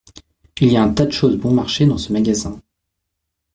Il y a un tas de choses bon-marché dans ce magasin.